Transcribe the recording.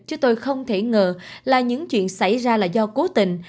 chứ tôi không thể ngờ là những chuyện xảy ra là do cố tình